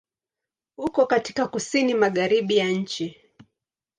Uko katika Kusini Magharibi ya nchi.